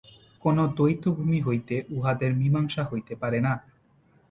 কোন দ্বৈতভূমি হইতে উহাদের মীমাংসা হইতে পারে না।